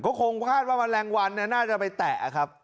ก็คงคาดว่าแมลงวันน่าจะไปแตะครับ